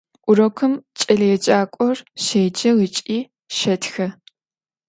Урокым кӏэлэеджакӏор щеджэ ыкӏи щэтхэ.